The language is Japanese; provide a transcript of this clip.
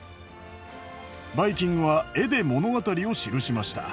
バイキングは絵で物語を記しました。